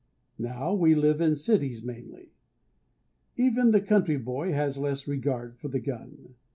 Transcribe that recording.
Now we live in cities mainly. Even the country boy has less regard for the gun.